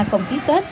công khí tết